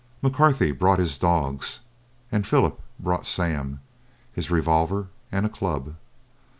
McCarthy brought his dogs, and Philip brought Sam, his revolver, and a club.